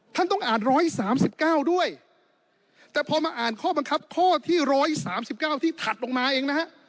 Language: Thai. ท่านต้องอ่านร้อยสามสิบเก้าด้วยแต่พอมาอ่านข้อบังคับข้อที่ร้อยสามสิบเก้าที่ถัดลงมาเองนะฮะ